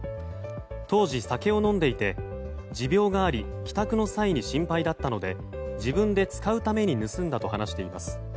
当時、酒を飲んでいて持病があり帰宅の際に心配だったので自分で使うために盗んだと話しています。